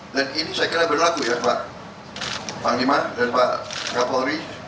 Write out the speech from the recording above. dan ini saya kira berlaku ya pak panglima dan pak kapolri